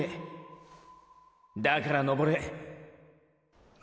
だから登れ。